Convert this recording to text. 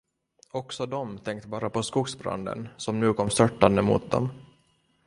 Också de tänkte bara på skogsbranden, som nu kom störtande mot dem.